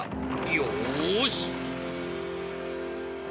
よし！